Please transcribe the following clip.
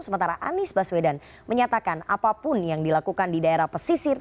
sementara anies baswedan menyatakan apapun yang dilakukan di daerah pesisir